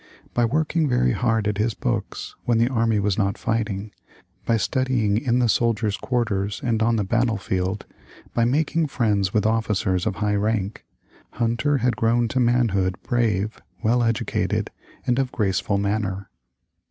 By working very hard at his books when the army was not fighting, by studying in the soldiers' quarters and on the battle field, by making friends with officers of high rank, Hunter had grown to manhood brave, well educated, and of graceful manner.